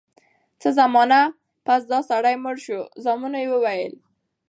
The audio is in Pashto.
څه زمانه پس دا سړی مړ شو زامنو ئي وويل: